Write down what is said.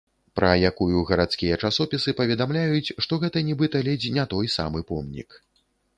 Пра якую гарадскія часопісы паведамляюць, што гэта нібыта ледзь не той самы помнік.